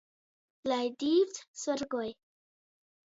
Lai Dīvs sorgoj!